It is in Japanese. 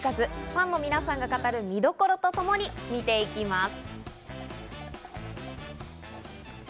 ファンの皆さんが語る、見どころとともに見ていきます。